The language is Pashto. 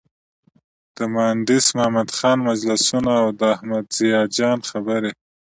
د مانډس محمد خان مجلسونه او د احمد ضیا جان خبرې.